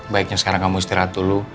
baiknya sekarang kamu istirahat dulu